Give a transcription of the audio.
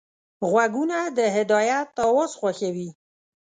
غوږونه د هدایت اواز خوښوي